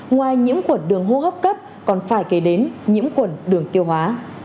ngoài nhiễm quẩn đường hô hấp cấp còn phải kể đến nhiễm quẩn đường tiêu hóa